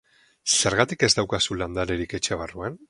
Zergatik ez daukazu landarerik etxe barruan?